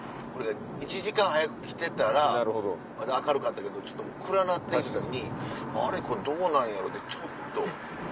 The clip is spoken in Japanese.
１時間早く来てたらまだ明るかったけどちょっともう暗なって来た時にあれこれどうなんやろうってちょっと。